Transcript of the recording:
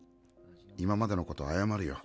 今までのことあやまるよ。